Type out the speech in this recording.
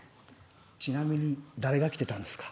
ちなみに誰が来てたんですか？